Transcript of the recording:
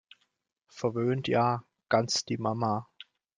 Verwöhnt ja - ganz die Mama!